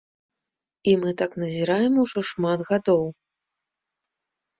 І мы так назіраем ужо шмат гадоў.